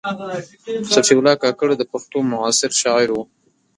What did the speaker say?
صفي الله کاکړ د پښتو معاصر شاعر و.